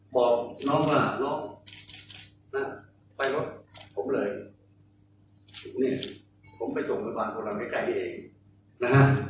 บอกน้องว่าไปรถผมเลยผมไปส่งไปบ้านโคลนังไอ้ไกลนี้เอง